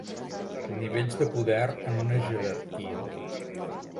Nivells de poder en una jerarquia.